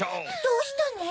どうしたの？